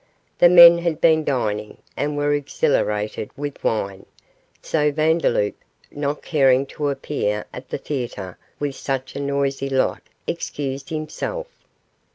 The men had been dining, and were exhilarated with wine, so Vandeloup, not caring to appear at the theatre with such a noisy lot, excused himself.